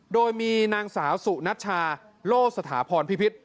โดยมีนางสาวสุนัชชาโลสถาพรพิพิษ